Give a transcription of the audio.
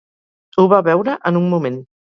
Ho va veure en un moment.